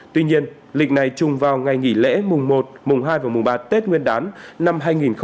tuy nhiên lịch này chung vào ngày nghỉ lễ mùng một mùng hai và mùng ba tết nguyên đán năm hai nghìn hai mươi